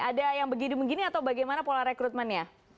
ada yang begini begini atau bagaimana pola rekrutmennya